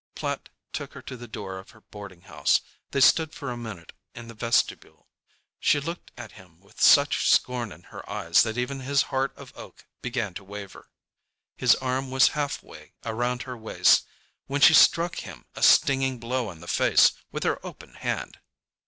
Platt took her to the door of her boarding house. They stood for a minute in the vestibule. She looked at him with such scorn in her eyes that even his heart of oak began to waver. His arm was half way around her waist, when she struck him a stinging blow on the face with her open hand.